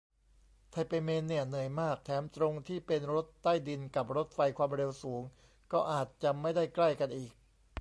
ไทเปเมนเนี่ย เหนื่อยมาก แถมตรงที่เป็นรถใต้ดินกับรถไฟความเร็วสูงก็อาจจะไม่ได้ใกล้กันอีก